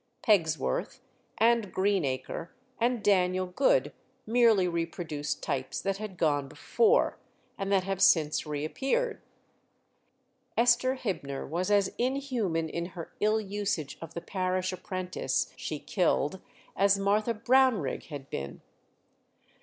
Pegsworth, and Greenacre, and Daniel Good merely reproduced types that had gone before, and that have since reappeared. Esther Hibner was as inhuman in her ill usage of the parish apprentice she killed as Martha Brownrigg had been.